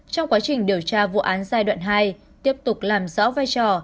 trong quá trình điều tra vụ án giai đoạn hai tiếp tục làm rõ vai trò